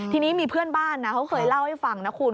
ทีนี้มีเพื่อนบ้านนะเขาเคยเล่าให้ฟังนะคุณ